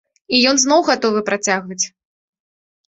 І ён зноў гатовы працягваць.